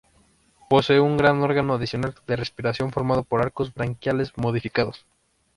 Poseen un gran órgano adicional de respiración formado por arcos branquiales modificados.